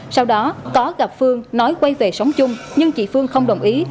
sau đó có gặp phương nói quay về sống chung nhưng chị phương không đồng ý